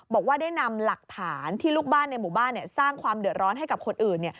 บอกว่าได้นำหลักฐานที่ลูกบ้านในหมู่บ้านสร้างความเดือดร้อนให้กับคนอื่น